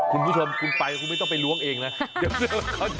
คุณผู้ชมคุณไปคุณไม่ต้องไปล้วงเองนะเดี๋ยวเขาจะล้วงไว้